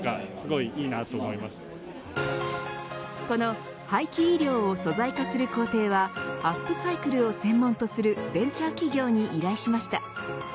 この、廃棄衣料を素材化する工程はアップサイクルを専門とするベンチャー企業に依頼しました。